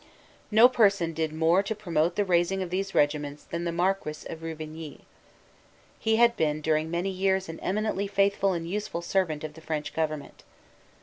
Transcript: No person did more to promote the raising of these regiments than the Marquess of Ruvigny. He had been during many years an eminently faithful and useful servant of the French government.